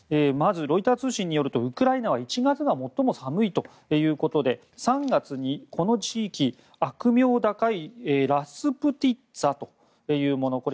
まず、ロイター通信によるとウクライナは１月が最も寒いということで３月にこの地域、悪名高いラスプティッツァというもの